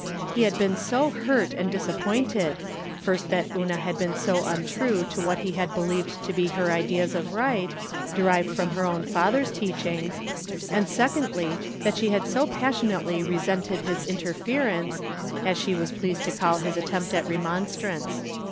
He had been so hurt and disappointed, first that Una had been so untrue to what he had believed to be her ideas of right, derived from her own father's teachings, and, secondly, that she had so passionately resented his interference, as she was pleased to^call his attempt at remon strance.